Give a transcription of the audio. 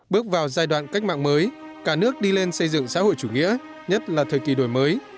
bước vào giai đoạn cách mạng mới cả nước đi lên xây dựng xã hội chủ nghĩa nhất là thời kỳ đổi mới